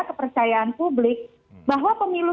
kepercayaan publik bahwa pemilu